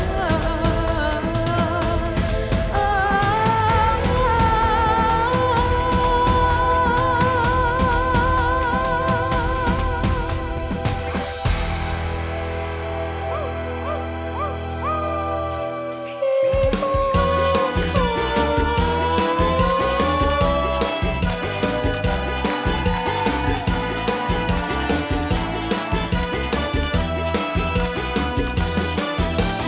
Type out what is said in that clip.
พี่บ้าของ